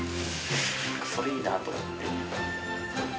それいいなと思って。